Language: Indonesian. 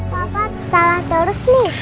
papa salah terus nih